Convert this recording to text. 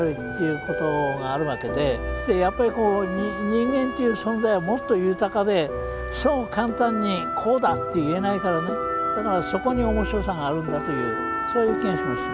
やっぱりこう人間という存在はもっと豊かでそう簡単にこうだと言えないからだからそこに面白さがあるんだというそういう気がします。